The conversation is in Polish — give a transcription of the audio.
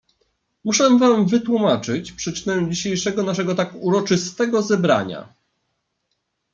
"Muszę wam wytłumaczyć przyczynę dzisiejszego naszego tak uroczystego zebrania."